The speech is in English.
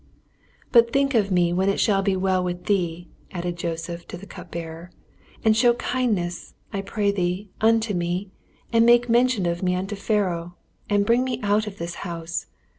"But think of me when it shall be well with thee," added Joseph to the cup bearer, "and show kindness, I pray thee, unto me, and make mention of me unto Pharaoh, and bring me out of this house.